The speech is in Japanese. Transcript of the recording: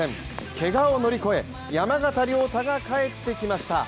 けがを乗り越え、山縣亮太が帰ってきました。